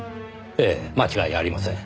ええ間違いありません。